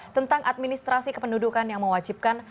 tentang administrasi kependudukan yang mewajibkan